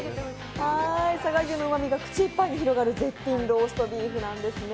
佐賀牛のうまみが口いっぱいに広がる絶品ローストビーフなんですね。